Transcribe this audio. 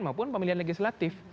maupun pemilihan legislatif